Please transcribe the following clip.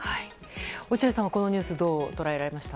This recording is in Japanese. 落合さんはこのニュースどう捉えましたか。